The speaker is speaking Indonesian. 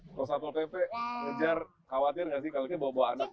kalau satu pepe lejar khawatir nggak sih kalau bawa bawa anak kayak begini gitu